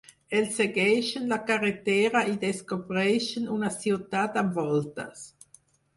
Ells segueixen la carretera i descobreixen una ciutat amb voltes.